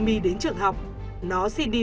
my đến trường học nó xin đi